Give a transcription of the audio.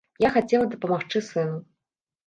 Я хацела дапамагчы сыну.